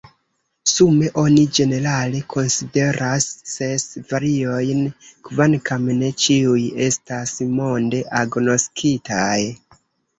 Sume oni ĝenerale konsideras ses variojn, kvankam ne ĉiuj estas monde agnoskitaj.